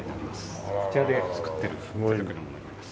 こちらで作ってる手作りのものになります。